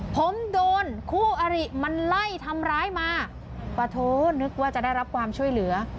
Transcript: ผมโดนคู่อริมันไล่ทำร้ายมาปะโถนึกว่าจะได้รับความช่วยเหลือ